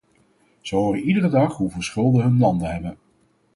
Ze horen iedere dag hoeveel schulden hun landen hebben.